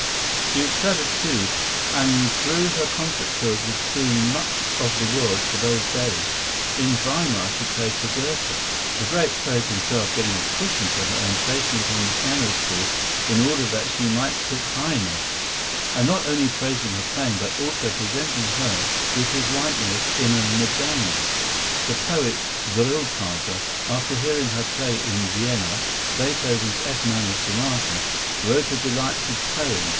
She was clever, too, and through her concert tours was seeing much of the world for those days. In Weimar she played for Goethe, the great poet himself getting a cushion for her and placing it on the piano stool in order that she might sit high enough; and not only praising her playing, but also presenting her with his likeness in a medallion. The poet Grillparzer, after hearing her play in Vienna Beethoven's F minor Sonata, wrote a delightful poem.